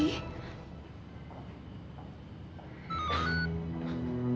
kok perasaan dewi jadi gak enak